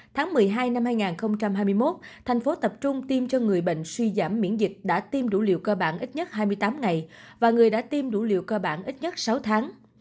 tháng một mươi hai năm hai nghìn hai mươi một thành phố tập trung tiêm cho người bệnh suy giảm miễn dịch đã tiêm đủ liều cơ bản ít nhất hai mươi tám ngày và người đã tiêm đủ liều cơ bản ít nhất sáu tháng